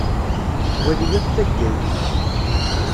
Wali akk taggayin.